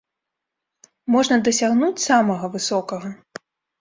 Можна дасягнуць самага высокага!